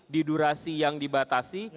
di durasi yang dibatasi